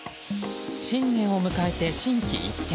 新年を迎えて心機一転